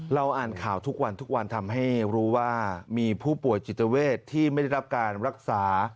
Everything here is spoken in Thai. อ่านข่าวทุกวันทุกวันทำให้รู้ว่ามีผู้ป่วยจิตเวทที่ไม่ได้รับการรักษา